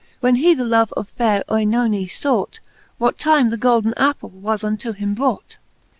When he the love of fayre Benone fought, What time the golden apple was unto him brought.